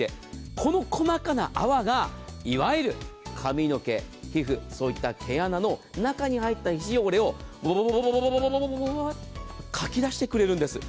この細かな泡がいわゆる髪の毛、皮膚そういった毛穴の中に入った皮脂汚れをボボボボッとかき出してくれるんです。